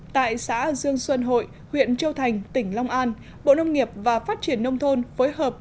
tại xã dương xuân hội huyện châu thành tỉnh long an bộ nông nghiệp và phát triển nông thôn phối hợp